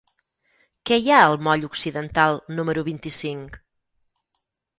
Què hi ha al moll Occidental número vint-i-cinc?